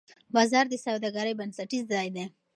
بازار د سوداګرۍ بنسټیز ځای دی.